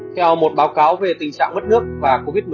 theo một báo cáo về tình trạng mất nước và covid một mươi chín